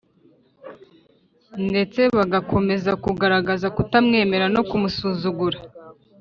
ndetse bagakomeza kugaragaza kutamwemera no kumusuzugura